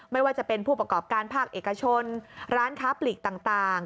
ไม่ว่าจะเป็นผู้ประกอบการภาคเอกชนร้านค้าปลีกต่าง